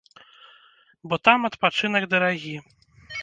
Бо там адпачынак дарагі.